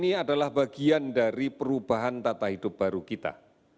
ini adalah bagian dari perubahan tata hidup baru kita